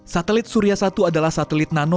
satelit surya satu adalah satelit nano